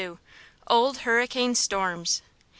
OLD HURRICANE STORMS.